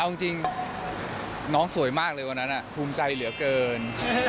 เอาจริงน้องสวยมากเลยวันนั้นภูมิใจเหลือเกิน